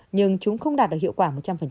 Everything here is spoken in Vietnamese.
nhưng chúng không đạt được hiệu quả một trăm linh